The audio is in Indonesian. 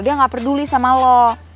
dia gak peduli sama lo